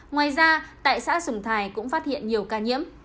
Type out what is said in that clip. ngoài ra tại xã sùng thái cũng phát hiện nhiều ca nhiễm